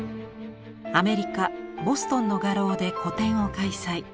アメリカボストンの画廊で個展を開催。